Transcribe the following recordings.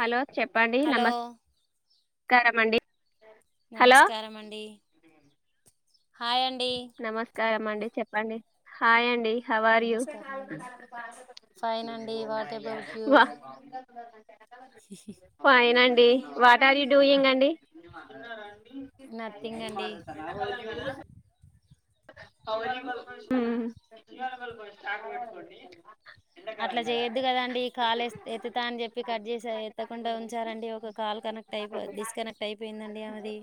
Hello చెప్పండి నమ స్కారమండి నమస్కారమండీ హాయ్ అం నమస్కారం మండి చెప్పండి హాయండి హౌ ఆర్ యు వా అ అదే ఫైన్అం డి వాట్ ఆర్ యూ డూయింగ్ అండి మాట్లాదాం రాం మ్మ్ అట్లా చేయొద్దు కదండి కాల్ ఎత్తుతా అని చెప్పి కట్ చేసి ఎత్తకుండా ఉంచారండి. ఒక కాల్ కనెక్ట్ అయిపో డిస్కనెక్ట్ అయిపోయిందండి. అమెది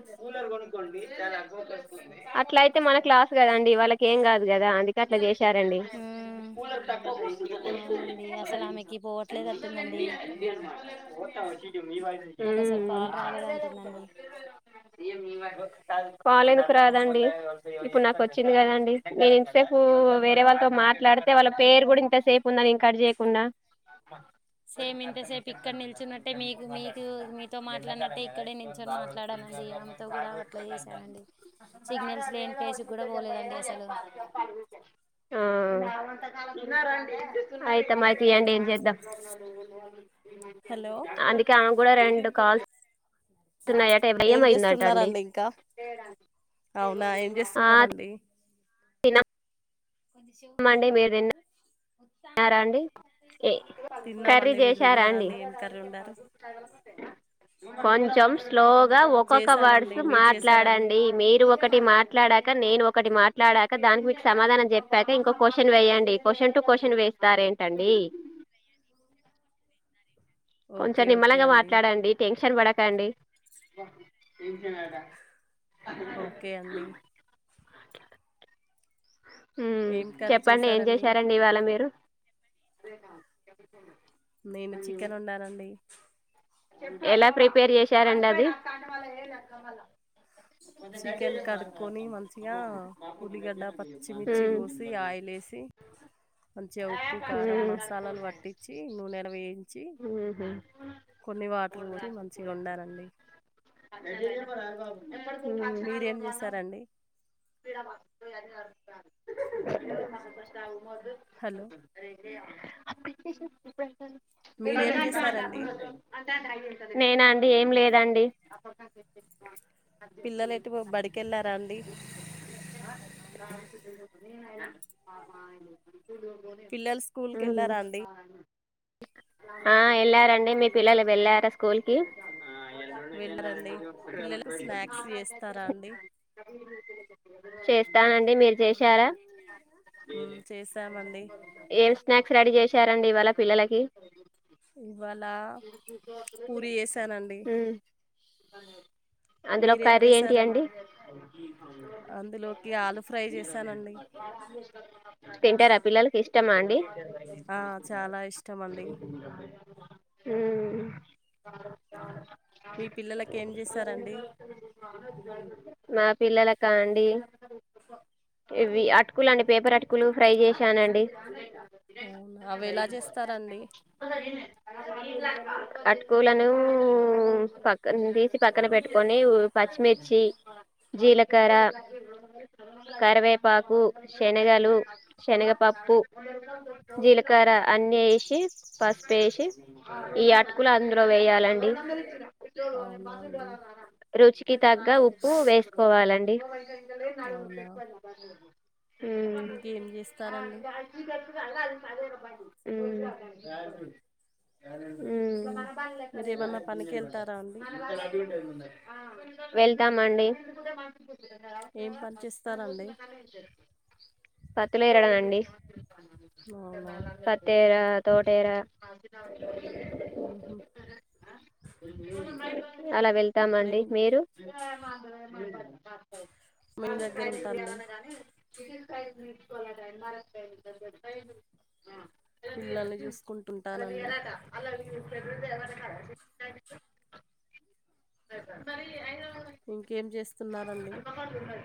అట్లా అయితే మనకు లాస్ కదండి వాళ్ళకేం కాదు కదా అందుక్ గట్ల చేస్ సరే అండి. కాల్ ఎందుకు రాదండి. ఇప్పుడు నాకు వచ్చింది కాదండి నేను రేపు వేరే వాళ్ళతో మాట్లాడు రే వాళ్ళ పేరు కూడా ఇంత సేపు ఉందని నేను కట్ చేయకుండా. సేమ్ ఇంతసేపు ఇక్కడ నిల్చున్నట్టే మీకు మీకు మీతో మాట్లాడినట్టే ఇక్కడే నిల్చొని మాట్లాడానండి ఆమెతో కూడా అట్లా చేసానండి సిగ్నల్స్ లేని ప్లేసు ఆ ంత కా ఉన్న రడిే [unintelligible] అయితే మరి తీయండి ఏం చేద్దాం హలో అందుకే ఆమె కూడా రెండు కాల్స్ స్తున్నాయట భయం ఏం అయిందట అండి చేస్తున్నారండి ఇంకా అవునా ఏం ఆ చేస్తున్నారండి కొంచం చేవుకి దూరం పెట్ట రాదు తన్నారా అండీ ఏ కర్రీ తిన్నామండి మీరు చేసారా అండి తిన్నారండి ఏం కర్రీ వండారు కొంచెం స్లో గా ఒక్కొక్క వర్డ్స్ చేసామండి మీరు చేసారండి మాట్లాడండి మీరు ఒకటి మాట్లాడాక నేను ఒకటి మాట్లాడాక దానికి మీకు సమాధానం చెప్ ఐతే ఇంకో కొషన్ వేయండి కొషన్ టు కొష్ ష ను వేస్తారు ఏంటండి కొంచెం ఓకే ఓకే నిమ్మలంగా అండి మాట్లాడండి టె న్షన్ పడకండి ఓకే అండి ఉమ్ ఏం కర్రీ చెప్పండి ఏం చేసారండి చేశారండి ఇవాళ మీరు అదేనాా [inaudible] నేను చికెన్ వండానండి ఎలా ప్రిపేర్ చేశారండి అది చికెన్ కడుక్కొని మంచిగా ఉల్లిగడ్డ పచ్చిమిర్చి ఉమ్. కోసి ఆయిల్ ఏసి మంచిగా ఉప్పు కారం ఉమ్. మసాలాలు పట్టిచ్చి నూనెలో వేయించి ఊహు కొన్ని వాటర్ పోసి మంచిగా వండానండి మీరేం ఎప్పుడు చేసారండి మ్మ్ [unintelligible] హలో మొదలు చ మీరేం చేసారండి నేనా అండి ఏం లేదండి పిల్లలు ఎటు బడికెళ్ళారా అండి పిల్లలు స్కూల్ కి వెళ్ళారా అండి ఆ ఎల్లారన్ నే మే పిల్లలు వెళ్ళారా స్కూల్ కి వెళ్ళారండి పిల్లలకు స్నాక్స్ చేస్తారా అండి చేస్ స్తానండి మీరు చేశారా మ్మ్ చేసామండి ఏం స్నాక్స్ రెడీ చేశారండి ఇవాళ పిల్లలకి మ్మ్ ఇవాళ పూరి చేసానండి అ మీరేం చేశారండి అందులోకి ఆలు ఫ్రై చేశానండి ఇష్టమాండి ఆ చాలా ఇష్టం అండి మ్మ్ మీ పిల్లలకి ఏం చేసారండి మా పిల్లలకా అండి ఇవి అటుకులు అండి పేపర్ అటుకులు ఫ్రై చేశానండి అవి ఎలా చేస్తారండి అటుకులను పక్కన్ తీసి పక్కన పెట్టుకొని పచ్చిమిర్చి జీలకర్ర కరివేపాకు శనగలు శనగపప్పు జీలకర్ర అన్నీ ఏసి పసుపేశి ఈ అటుకులు అందులో వేయాలండి అవునా అండి రుచికి తగ్గ ఉప్పు వేసుకోవాలండి అవునా ఇంకేం చేస్తారండి మ్మ్ మ్మ్ మ్మ్ మీరేమన్నా పనికి వెళ్తారా అండి అ వెళ్తామండి ఏం పని చేస్తారండి [unintelligible] పతులేరలండి అవునా పతేర తోటేర మ్మ్ హ్మ్ అలా వెళ్తామండి ఇప్పుడేం మీరు టైమ్ మీ దగ్గర ఉంటాండి మార [unintelligible] పిల్లల్ని జూసుకుంటుంట అల్లరి ఎరాట అల్లరి ఫవరినా [unintelligible] ఇంకేం చేస్తున్నరండి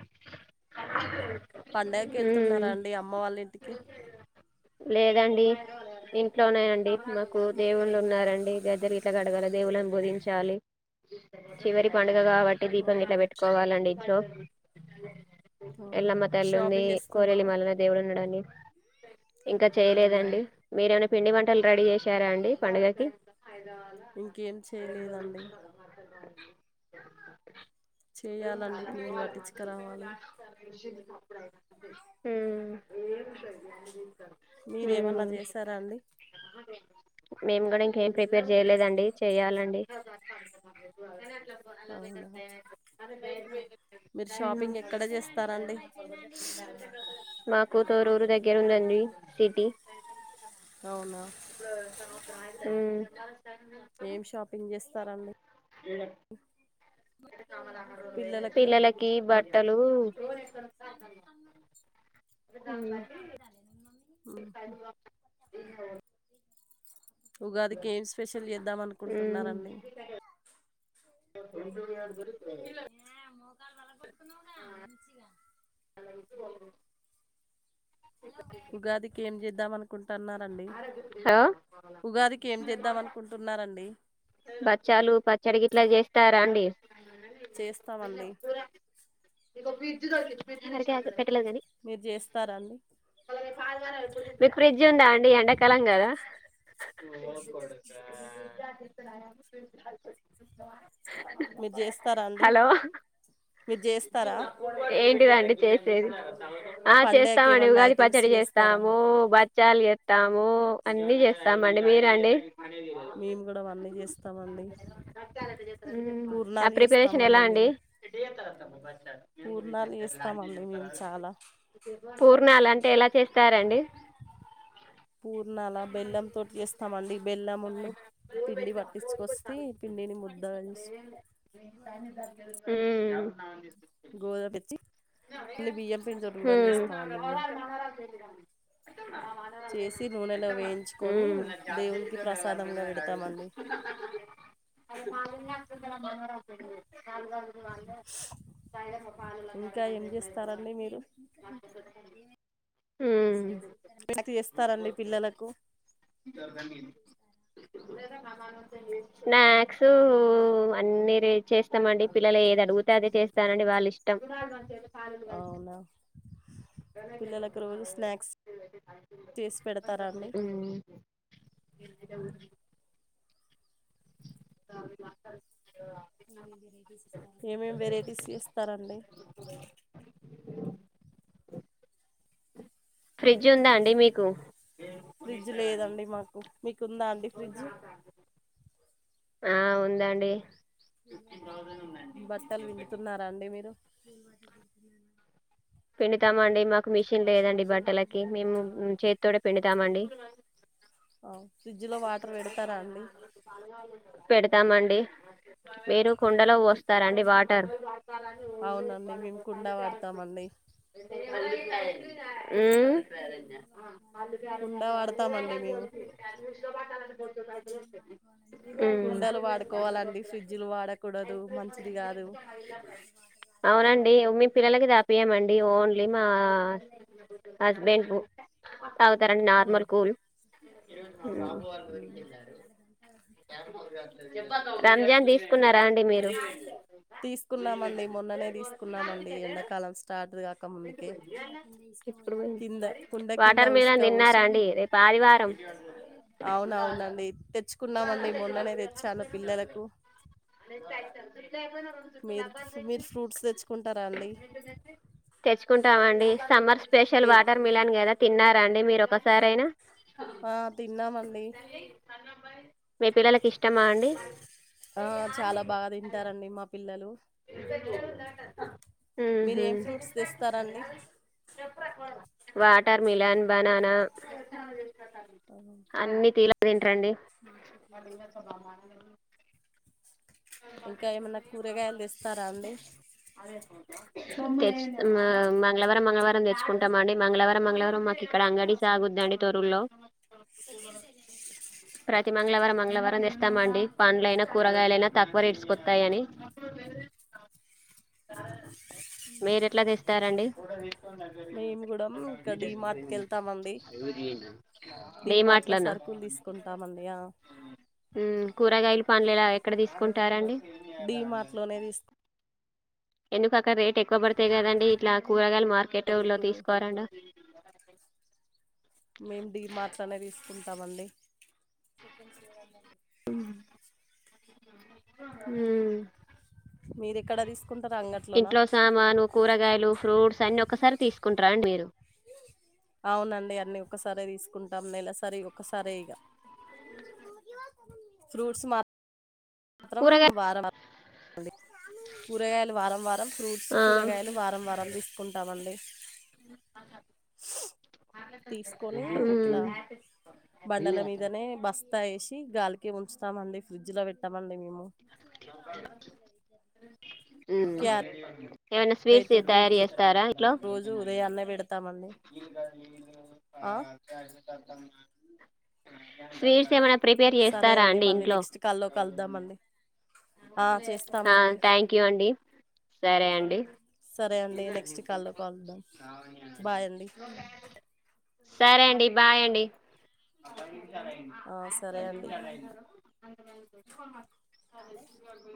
అ [unintelligible] పండగకి ఎళ్తున్నారా అండి అమ్మ వాళ్ళ ఇంటికి లేదండి ఇంట్లోనే అండీ మాకు దేవుళ్ళు ఉన్నారండి గద్దలు గిట్లా గడగాల దేవులను పూజించాలి చివరి పం డగా కాబట్టి దీపం గిట్లా అవునా వెట్టుకోవాలండి ఇంట్లో [unintelligible] అవునా ఎల్లమ్మ తల్లి ఉంది షాపింగ్ కోరేలి చేస్తున్నారా మల్లన దేవుడు ఉన్నడండి ఇంకా అవునా చేయలేదండి మీరూను పిండివంటలు రెడీ యేశారా అండి పండుగకి ఇంకేం చేయలేదండి [unintelligible] [unintelligible] చేయాలండి పిండి పట్టించుకురావాలి [unintelligible] ఊమ్ మీరేమన్నా జేసారా అండి మేము గూడా ఇంకేం ప్రిపేర్ చేయలేదండి చెయ్యాలండి అవునా [unintelligible] మీరు షాపింగ్ ఎక్కడ జేస్తారండి మాకు తోరూరు దగ్గర ఉందండి అవునా. ఏం షాపింగ్ చేస్తారండి ఊమ్ [unintelligible] పిల్లలకు పిల్లలకి బట్టలు ఊ మ్మ్. [unintelligible] ఉగాదికి ఏం స్పెషల్ జేద్దాం ఉమ్ అనుకుంటున్నారండి ఆ ఉగాదికి ఏం చేద్దాం అనుకుంటన్నారండి. హలో ఉగాదికి ఏం చేద్దాం అనుకుంటున్నారండి. బచ్చాలు పచ్చడికి గిట్లా చేస్తారా అండి. చేస్తామండి. మీరు చేస్తారా అండి మీకు ఫ్రిడ్జ్ ఉందా అండి. ఎండాకాలం కదా ఓ కోడకా మీరు చేస్తారా అండి. మీరు చేస్త ఏడ్ [unintelligible] ఏంటి దండి చేసేది. ఆ పండగకి చేస్తామండి ఏమన్నా ఉగాది ఐటెమ్స్ పచ్చడి చేస్తారా చేస్తాము. అండి బ బచ్చలు చేత్తాము అన్నీ చేస్తామండి. మీరండి. మేము కూడా అవన్నీ చేస్తామండి. మ్మ్ ఆ పూర్ణాలు ప్రిపరేషన్ ఎలా చేస్తామండి. అండి మేము [unintelligible] పూర్ణాలు చేస్తామండి. మేము చాలా పూర్ణాలు అంటే ఎలా చేస్తారండి పూర్ణాల బెల్లం తోటి చేస్తామండి. బెల్లమున్ను పిండి పట్టించుకొస్తే పిండిని ముద్దగా చేసి గోధుమ తెచ్చి ఓన్లీ బియ్యం పిండితోటి కూడా చేస్తామండి మేము హ్మ్ చేసి నూనెలో వేయించుకొని దేవునికి ప్రసాదంగా పెడతామండి మ ఇంకా ఏం చేస్తారండి మీరు స్నాక్స్ చేస్తారండి పిల్లలకు హ్మ్ స్నాక్స్ అన్నీ [unintelligible] చేస్తామండి. పిల్లలు ఏది అడుగుతే అదే చేస్తానండి వాళ్ళ ఇష్టం అవునా పిల్లలకు రోజు స్నాక్స్ చేసి హ్మ్ పెడతారా అండి [unintelligible] స మా ఏమేమి వెరైటీస్ చేస్తారండి. ఫ్రిడ్జ్ ఉందా అండి మీకు ఫ్రిడ్జ్ లేదండి మాకు ందా అండి ఫ్రిడ్జ్ ఆ ఉందండి బట్టలు పిండుతున్నారా అండి మీరు ఏ మాటగద్ధన్నా పిండుతామండి మాకు మిషన్ లేదండి బట్టలకి మేము చేతితోటే పిండుతాం తామండి ఆ, ఫ్రిడ్జ్ లో వాటర్ పెడతారా అండి పెడు తమండి మీరు కుండలో ఫ్రి- పోస్తారండి వాట్ టర్ అవునండి మేము కుండ వాడతామండి అళ్డి కుండ వాడతామండి మేము మ్మ్ కుండలు వాడుకోవాలండి ఫ్రిడ్జ్లు వాడకూడదు మంచిది కాదు అవునండి మీ పిల్లలకి తాగిపియమం డి ఓన్లీ మా హస్బెండ్ కు తాగుతారండి అవు నార్మల్ కూల్ చెప్పదు రంజాన్ తీసుకున్నారా అండి మీరు తీసుకున్నామండి మొన్ననే తీసుకున్నామండి ఎండాకాలం స్టార్టుగా ముందుకే ఇప్పుడు పోయింది. కింద కుండ కింద వాటర్ మిలన్ ఉసుక తిన్నారా పోసి అండి రేపు ఆదివారం అవును అవునండి తెచ్చుకున్నామండి మొన్ననే తెచ్చాను పిల్లలకు ఏపనో మీరు మీరు ఫ్రూట్స్ తెచ్చుకుంటారా అండి తెచ్చుకుంటామండి సమ్మర్ స్పెషల్ ఏ వాటర్ మిలన్ గదా తిన్నారా అండి మీరు ఒకసారయినా ఆ తిన్నామండి మీ పిల్లలకి ఇష్టమా అండి ఆ చాలా బాగా తింటారండి మా పిల్లలు పెద్దగా ఉందిఅట మీరు ఉహు ఏం ఫ్రూట్స్ తెస్తారండి వాటర్ మిలన్ బననా అ ఆ. అన్ని తీర్ల వెన్ రండి ఇంకా ఏమన్నా కూరగాయలు తెస్తారా అండి తెచ్చు అమ్మ మంగళవారం మంగళవారం మంగళవారం తెచ్చుకుంటామండి మంగళవారం మంగళవారం మ ఇక్కడ అంగడి సాగుద్దండి తొర్రర్ లో, ప్రతి మంగళవారం మంగళవారం తెస్తామండి పండ్లనా కూరగాయలైనా వెరైడష్కతయే అని ఆ మీరు ఎట్లా తెస్తారండి మేము కూడా ఇంకా డీమార్ట్ కి వెళ్తామండి డీ డీమార్ట్ లో మాట్లన్నా సరుకులు తీసుకుంటామండి ఆ మ్ కూరగాయలు పండ్లు ఏలా ఎక్కడ తీసుకుంటారండి డి మార్ట్లోనే తీస్ ఎందుకు అక్కడ రేట్ ఎక్కువ పడతాయి కదండి ఇట్లా కూరగాయలు మార్కెట్లో సరుకులు తీసుకోవరండ మేం డి మార్ట్నే లోనే తీసుకుంటామండి మ్ మ్ మీరూ ఎక్కడ తి ఇంట్లో సామాను కూరగాయలు ఫ్రూట్స్ అన్ని ఒకసారి తీస్ కుంటార అండి మీరు అవునండి అన్నీ ఒకసారే తీసుకుంటాం నెలసరి ఒకసారే ఇక ఫ్రూట్స్ మ మాత్రం కూరగాయ వారం వ కూరగాయలు వారం వారం ఫ్రూట్స్ ఆ కూరగాయలు వారం వారం తీసుకుంటామండి తీసుకొని ఉమ్ ఇట్లా బండల మీదనే బస్తా వేసి గాలి ఉంచుతం అండి ఫ్రిజ్ లో పెట్ ఇంతమండి మేము మ్ రేటు బీట్రూట్ రోజు ఉదయాన్నే పెడతం అండి [inaudible] స్వీట్స్ ఎమన్నా సరే అండి మళ్ళీ నెక్స్ట్ కాల్లోకి కలుదామండి ఆ థ్యాంక్ యూ అండి సరే అండి సరే అండి నెక్స్ట్ కాల్లో కలుద్దాం బాయ్ అండి సరే అండి బాయ్ అండి ఆ సరే అండి [inaudible]